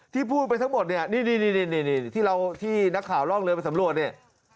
ที่พูดไปทั้งหมดเนี่ยนี่ที่เราที่นักข่าวร่องเรือไปสำรวจเนี่ย